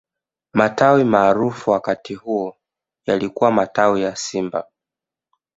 matawi maarufu wakati huo yalikuwa matawi ya simba